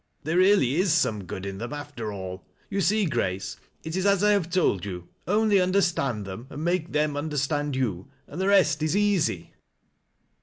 There really is some good in them, after ail. You see, Giace, it is as I have told you — only understand them, ;nd make them understand you, and the rest is easy."